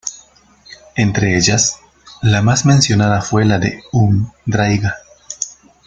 Entre ellas, la más mencionada fue la de Um-Draiga.